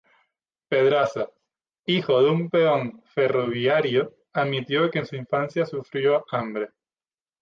Pedraza, hijo de un peón ferroviario, admitió que en su infancia sufrió hambre.